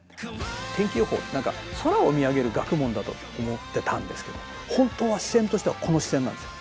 天気予報何か空を見上げる学問だと思ってたんですけど本当は視線としてはこの視線なんですよ。